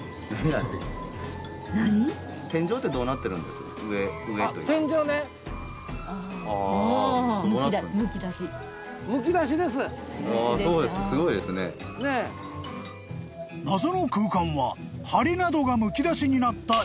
［謎の空間ははりなどがむき出しになった］